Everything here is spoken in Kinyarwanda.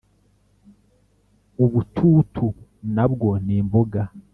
ubututu na bwo ni imboga.